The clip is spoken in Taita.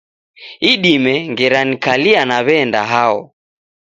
Idime ngera nikalia naw'enda hao